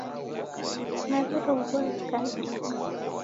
Naw'iroghua w'ikanidika